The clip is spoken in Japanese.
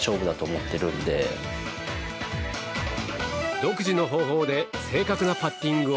独自の方法で正確なパッティングを